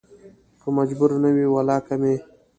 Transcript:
که مجبور نه وى ولا کې مې